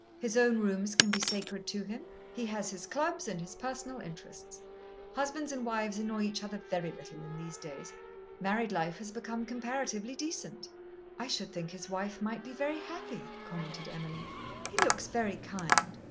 His own rooms can be sacred to him. He has his clubs and his personal interests. Husbands and wives annoy each other very little in these days. Married life has become comparatively decent." "I should think his wife might be very happy," commented Emily. "He looks very kind."